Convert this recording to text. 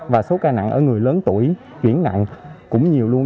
và số ca nặng ở người lớn tuổi chuyển nặng cũng nhiều luôn